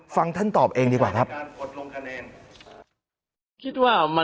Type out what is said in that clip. ฟังท่านตอบเองดีกว่าครับ